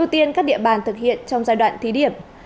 ưu tiên các địa bàn thực hiện trong giai đoạn thí điểm